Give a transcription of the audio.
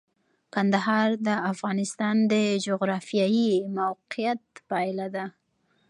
کندهار د افغانستان د جغرافیایي موقیعت پایله ده.